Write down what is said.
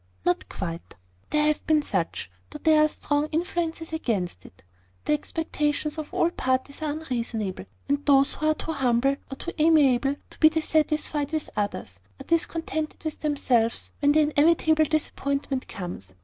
"Not quite. There have been such, though there are strong influences against it. The expectations of all parties are unreasonable; and those who are too humble, or too amiable, to be dissatisfied with others, are discontented with themselves, when the inevitable disappointment comes.